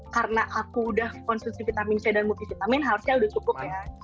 karena aku udah konsumsi vitamin c dan multivitamin harusnya udah cukup ya